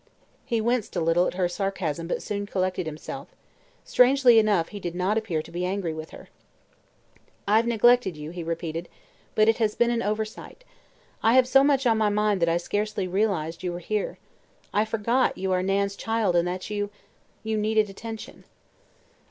He winced a little at her sarcasm but soon collected himself. Strangely enough, he did not appear to be angry with her. "I've neglected you," he repeated, "but it has been an oversight. I have had so much on my mind that I scarcely realized you were here. I forgot you are Nan's child and that you you needed attention."